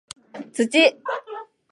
土